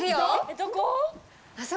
どこ？